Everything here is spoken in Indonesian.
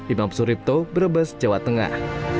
imam suripto brebes jawa tengah